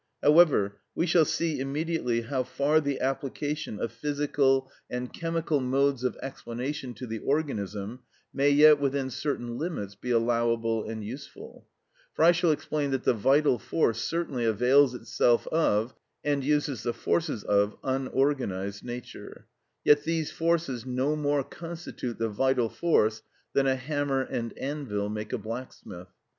However, we shall see immediately how far the application of physical and chemical modes of explanation to the organism may yet, within certain limits, be allowable and useful; for I shall explain that the vital force certainly avails itself of and uses the forces of unorganised nature; yet these forces no more constitute the vital force than a hammer and anvil make a blacksmith.